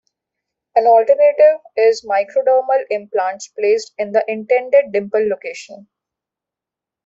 An alternative is microdermal implants, placed in the intended dimple location.